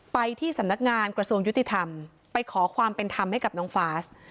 ไปที่สำนักงานกระทรวงยุติธรรมไปขอความเป็นธรรมให้กับน้องฟาส